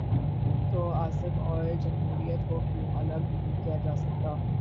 تو عاصم اور جمہوریت کو کیوں الگ نہیں کیا جا سکتا؟